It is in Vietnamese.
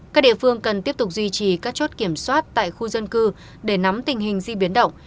các địa phương cần tiếp tục duy trì các chốt kiểm soát tại khu dân cư để nắm tình hình di biến động